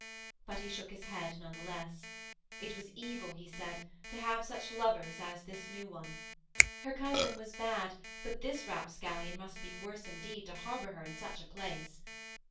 But he shook his head nevertheless. It was evil, he said, to have such lovers as this new one. Her cousin was bad, but this rapscallion must be worse indeed to harbour her in such a place....